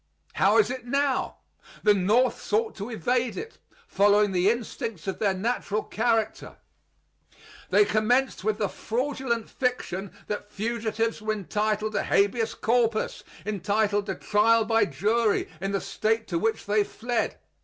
How is it now? The North sought to evade it; following the instincts of their natural character, they commenced with the fraudulent fiction that fugitives were entitled to habeas corpus, entitled to trial by jury in the State to which they fled.